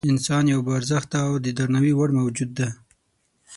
انسان یو با ارزښته او د درناوي وړ موجود دی.